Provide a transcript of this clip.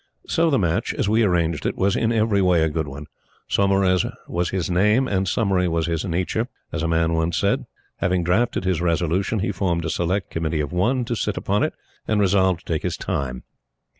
So the match, as we arranged it, was in every way a good one. Saumarez was his name, and summary was his nature, as a man once said. Having drafted his Resolution, he formed a Select Committee of One to sit upon it, and resolved to take his time.